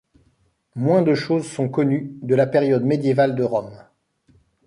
Moins de choses sont connues de la période médiévale de Rom.